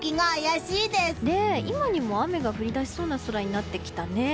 今にも雨が降り出しそうな空になってきたね。